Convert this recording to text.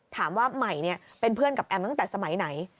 ถามว่าใหม่เป็นเพื่อนกับแอมตั้งแต่สมัยไหน